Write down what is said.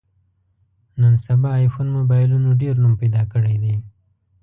نن سبا ایفون مبایلونو ډېر نوم پیدا کړی دی.